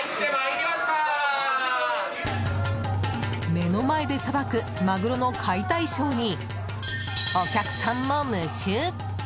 目の前でさばく、マグロの解体ショーにお客さんも夢中！